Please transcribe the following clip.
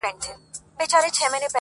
دوهم ځل او دريم ځل يې په هوا كړ.!